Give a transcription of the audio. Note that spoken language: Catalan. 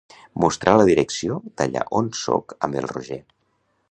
Mostrar la direcció d'allà on soc amb el Roger.